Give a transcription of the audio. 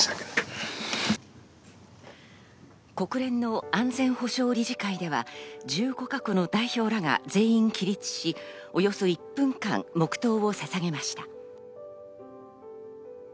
国連の安全保障理事会では１５か国の代表らが全員起立し、およそ１分間黙とうをささげました。